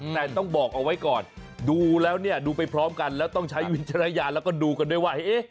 แต่ต้องบอกเอาไว้ก่อนดูแล้วเนี่ยดูไปพร้อมกันแล้วต้องใช้วิจารณญาณแล้วก็ดูกันด้วยว่า